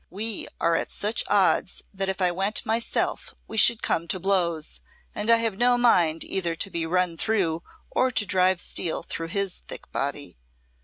We are at such odds that if I went myself we should come to blows, and I have no mind either to be run through or to drive steel through his thick body.